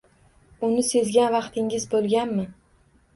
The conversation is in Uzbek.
Uni sezgan vaqtingiz bo‘lganmi?